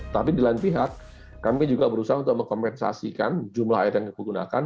tapi di lain pihak kami juga berusaha untuk mengkompensasikan jumlah air yang digunakan